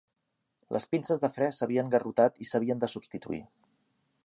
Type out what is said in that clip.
Les pinces de fre s'havien garrotat i s'havien de substituir.